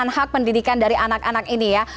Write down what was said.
hak pendidikan dari anak anak ini ya